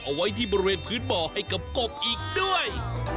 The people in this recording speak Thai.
เอาไว้ที่บริเวณพื้นบ่อให้กับกบอีกด้วย